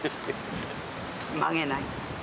曲げない。